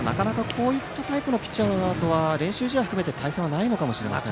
こういったピッチャーとは練習試合を含めて対戦がないのかもしれませんね。